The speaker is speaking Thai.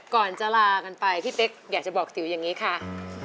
ก่อนจะลากันไปพี่เป๊กอยากจะบอกติ๋วอย่างนี้ค่ะ